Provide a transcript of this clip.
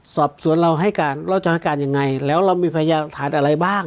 สอบสวนเราให้การเราจะให้การยังไงแล้วเรามีพยานฐานอะไรบ้าง